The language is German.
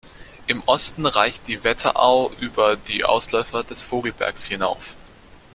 Im Osten reicht die Wetterau über die Ausläufer des Vogelsbergs hinauf.